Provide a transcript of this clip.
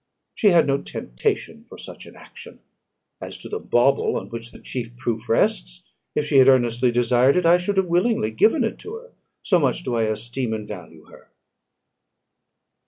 She had no temptation for such an action: as to the bauble on which the chief proof rests, if she had earnestly desired it, I should have willingly given it to her; so much do I esteem and value her."